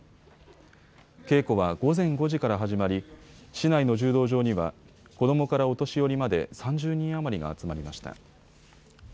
稽古は午前５時から始まり市内の柔道場には子どもからお年寄りまで３０人余りが集まりました。